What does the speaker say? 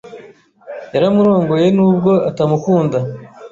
Yaramurongoye nubwo atamukunda.